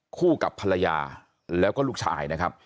กับภรรยาแล้วก็ลูกชายนะครับ